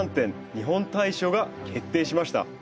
日本大賞が決定しました。